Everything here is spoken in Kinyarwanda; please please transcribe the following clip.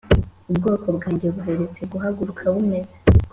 Ubwoko bwanjye buherutse guhaguruka bumeze